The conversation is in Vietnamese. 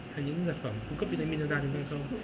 hay những sản phẩm cung cấp vitamin cho da chúng ta không